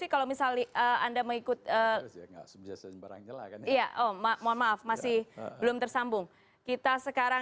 cuma nanti saya jelaskan